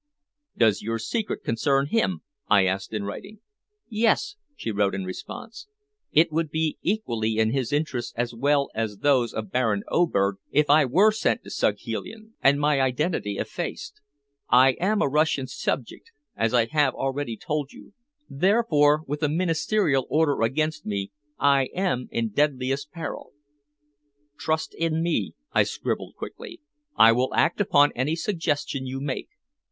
"Does your secret concern him?" I asked in writing. "Yes," she wrote in response. "It would be equally in his interests as well as those of Baron Oberg if I were sent to Saghalien and my identity effaced. I am a Russian subject, as I have already told you, therefore with a Ministerial order against me I am in deadliest peril." "Trust in me," I scribbled quickly. "I will act upon any suggestion you make.